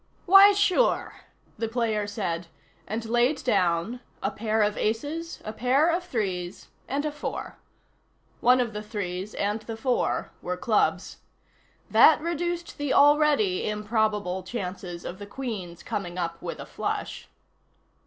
"Why, sure," the player said, and laid down a pair of aces, a pair of threes and a four. One of the threes, and the four, were clubs. That reduced the already improbable chances of the Queen's coming up with a flush.